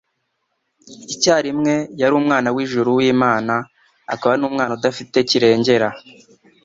Icyarimwe yari umwana w'ijuru w'Imana akaba n'umwana udafite kirengera.